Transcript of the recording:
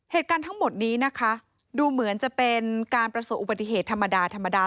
เหตุการณ์ทั้งหมดนี้นะคะดูเหมือนจะเป็นการประสบอุบัติเหตุธรรมดาธรรมดา